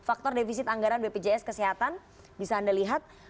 faktor defisit anggaran bpjs kesehatan bisa anda lihat